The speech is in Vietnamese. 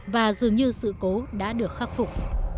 và dường như sự cố đã được khắc phục